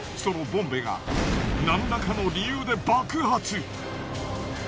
そのボンベが何らかの理由で爆発。